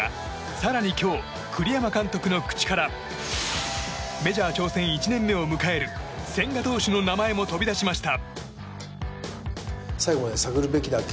更に今日、栗山監督の口からメジャー挑戦１年目を迎える千賀投手の名前も飛び出しました。